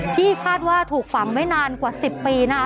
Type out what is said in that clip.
ที่คาดว่าถูกฝังไว้นานกว่า๑๐ปีนะคะ